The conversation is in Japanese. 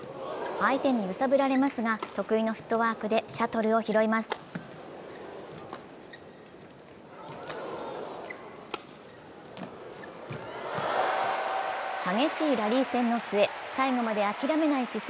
相手に揺さぶられますが得意のフットワークでシャトルを拾います。